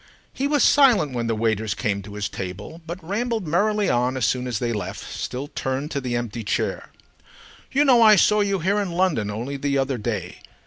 He was silent when the waiters came to his table, but rambled merrily on as soon as they left, still turned to the empty chair. "You know I saw you here in London only the other day.